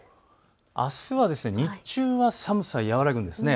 あすは日中寒さ、和らぐんです。